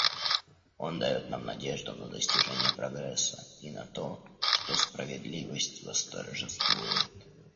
Он дает нам надежду на достижение прогресса и на то, что справедливость восторжествует.